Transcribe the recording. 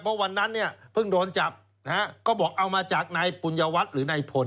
เพราะวันนั้นเนี่ยเพิ่งโดนจับนะฮะก็บอกเอามาจากนายปุญญวัตรหรือนายผล